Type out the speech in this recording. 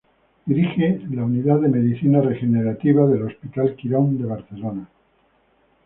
Dirige de la Unidad de Medicina Regenerativa del Hospital Quirón de Barcelona.